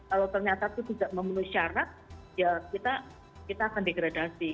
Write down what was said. kalau ternyata itu tidak memenuhi syarat ya kita akan degradasi